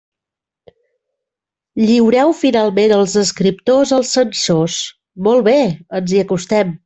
Lliureu finalment els escriptors als censors; molt bé!, ens hi acostem.